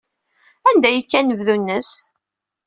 Anda ay yekka anebdu-nnes?